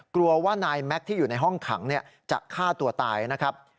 กลัวว่านายแม็กซ์ที่อยู่ในห้องขังจะฆ่าตัวตายนะครับ